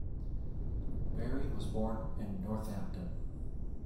Berry was born in Northampton.